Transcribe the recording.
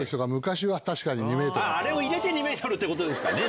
あれを入れて２ｍってことですかね